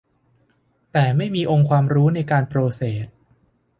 แต่ไม่มีองค์ความรู้ในการโปรเซส